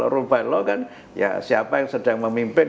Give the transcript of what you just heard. rule by law kan siapa yang sedang memimpin